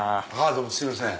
どうもすいません。